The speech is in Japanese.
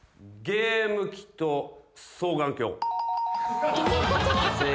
ゲーム機と双眼鏡。